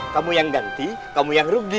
kamu yang ganti kamu yang rugi